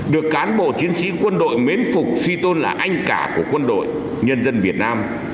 được cán bộ chiến sĩ quân đội mến phục phi tôn là anh cả của quân đội nhân dân việt nam